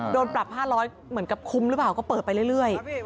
โดนปรับ๕๐๐เหมือนกับคุ้มหรือเปล่าก็เปิดไปเรื่อย